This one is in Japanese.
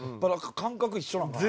感覚一緒なんかな。